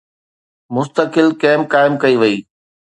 مستقل ڪئمپ قائم ڪئي وئي